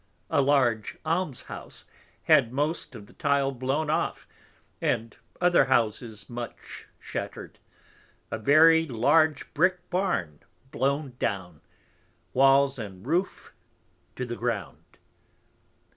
A large Alms house had most of the Tile blown off, and other Houses much shattered; a very large Brick Barn blown down, Walls and Roof to the Ground.